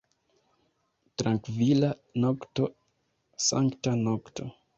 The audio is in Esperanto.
Trankvila nokto, sankta nokto!